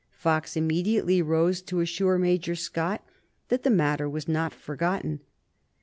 Fox immediately rose to assure Major Scott that the matter was not forgotten.